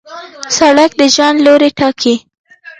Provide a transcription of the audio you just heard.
سړک د ژوند لوری ټاکي.